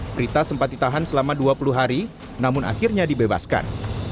prita sempat ditahan selama dua puluh hari namun akhirnya dibebaskan